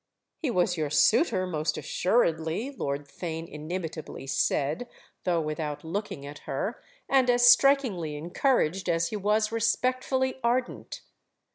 "He was your suitor most assuredly," Lord Theign inimitably said, though without looking at her; "and as strikingly encouraged as he was respectfully ardent!"